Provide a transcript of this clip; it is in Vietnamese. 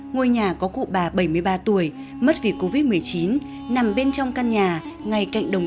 ngôi nhà có cụ bà bảy mươi ba tuổi mất vì covid một mươi chín nằm bên trong căn nhà ngay cạnh đồng